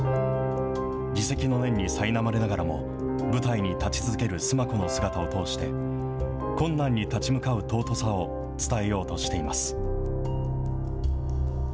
自責の念にさいなまれながらも、舞台に立ち続ける須磨子の姿を通して、困難に立ち向かう尊さを伝えようとしています。